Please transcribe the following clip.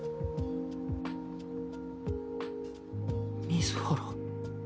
水原。